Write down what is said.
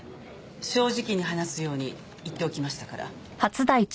正直に話すように言っておきましたから。